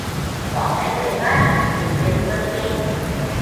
บอกได้เลยว่าคุณเป็นคนเก่ง